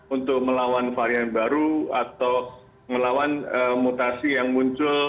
untuk melawan varian baru atau melawan mutasi yang muncul